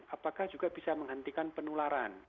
apakah juga bisa menghentikan penularan